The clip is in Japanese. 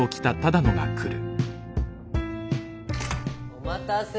お待たせ。